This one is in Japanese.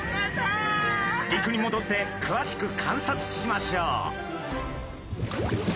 陸にもどってくわしく観察しましょう。